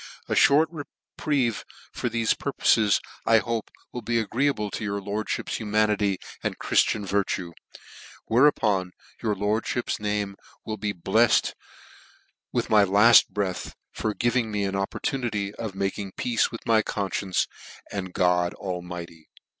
A ihort reprieve for thefe purpofes I hope will be RICHARD NOBLE for Murder. 165 agreeable to your lordfliip's humanity and Chrif tian virtue, whereupon your lordfhip's name mall be bleft with my laft breath, for giving me an op portunity of making peace with my confciencc and God Almighty."